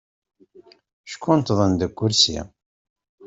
Ckunṭḍen deg ukersi.